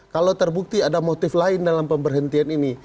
kalau terbukti ada motif lain dalam pemberhentian ini